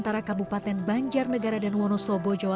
terbuat berjasali oleh koceng si vijaya